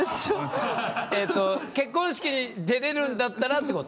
結婚式出れるんだったらってこと？